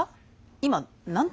今何て？